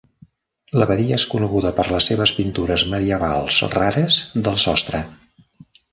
L'abadia es coneguda per les seves pintures medievals rares del sostre.